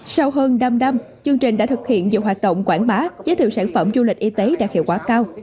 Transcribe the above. sau hơn năm năm chương trình đã thực hiện nhiều hoạt động quảng bá giới thiệu sản phẩm du lịch y tế đạt hiệu quả cao